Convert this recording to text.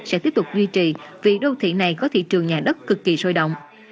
sẽ tiếp tục duy trì vì đô thị này có thị trường nhà đất cực kỳ sôi động